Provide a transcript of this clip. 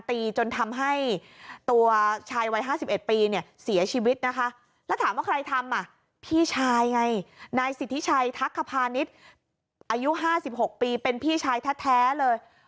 พี่ชายทักขภานิษฐ์อายุ๕๖ปีเป็นพี่ชายแท้เลย